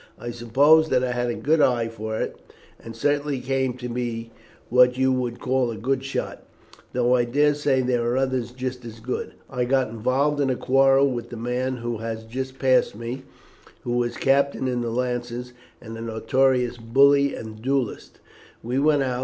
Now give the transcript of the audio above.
"I suppose that I had a good eye for it, and certainly came to be what you would call a good shot, though I dare say there are others just as good. I got involved in a quarrel with the man who has just passed me, who was a captain in the Lancers, and a notorious bully and duellist. We went out.